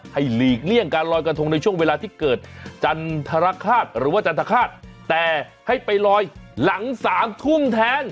หลีกเลี่ยงการลอยกระทงในช่วงเวลาที่เกิดจันทรคาตหรือว่าจันทคาตแต่ให้ไปลอยหลังสามทุ่มแทน